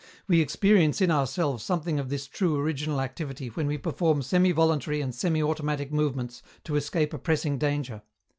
We experience in ourselves something of this true original activity when we perform semi voluntary and semi automatic movements to escape a pressing danger.